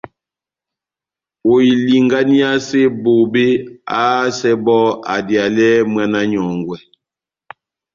Ohilinganiyase bobé, ahásɛ bɔ́ adiyalɛ mwána nyɔ́ngwɛ.